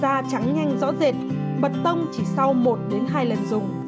da trắng nhanh rõ rệt bật tông chỉ sau một đến hai lần dùng